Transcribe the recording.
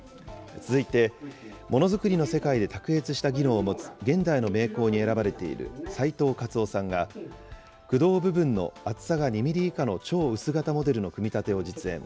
続いて、ものづくりの世界で卓越した技能を持つ現代の名工に選ばれている斎藤勝雄さんが、駆動部分の厚さが２ミリ以下の超薄型モデルの組み立てを実演。